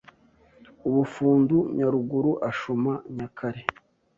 ubufundu Nyaruguru ashuma Nyakare